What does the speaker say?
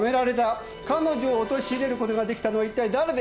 彼女を陥れることができたのは一体だれでしょう？